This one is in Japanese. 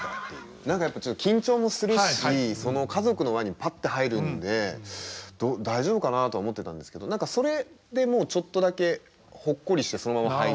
何かやっぱ緊張もするしその家族の輪にパッて入るんで大丈夫かなと思ってたんですけど何かそれでちょっとだけほっこりしてそのまま入れるというか。